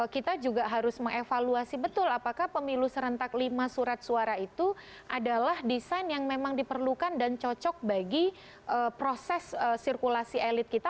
kita juga harus mengevaluasi betul apakah pemilu serentak lima surat suara itu adalah desain yang memang diperlukan dan cocok bagi proses sirkulasi elit kita